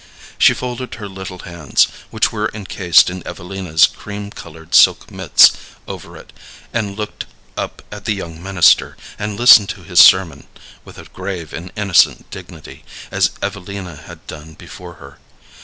She folded her little hands, which were encased in Evelina's cream colored silk mitts, over it, and looked up at the young minister, and listened to his sermon with a grave and innocent dignity, as Evelina had done before her.